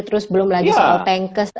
terus belum lagi soal bankes